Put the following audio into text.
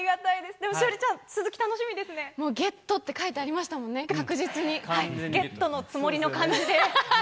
でも栞里ちゲットって書いてありましたゲットのつもりの感じで。